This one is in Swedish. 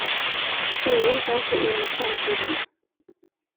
Ingen kan se in i framtiden.